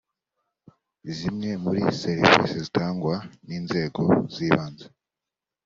zimwe mur serivisi zitangwa n inzego z ibanze